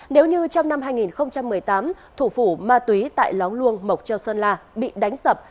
nếu như trong năm hai nghìn một mươi tám thủ phủ ma túy tại lóng luông mộc châu sơn la bị đánh sập